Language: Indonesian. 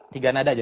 tiga nada aja